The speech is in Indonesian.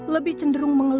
lebih cenderung mengatasi